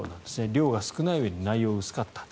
量が少ないうえに内容が薄かった。